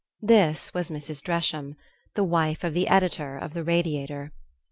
This was Mrs. Dresham, the wife of the editor of the RADIATOR.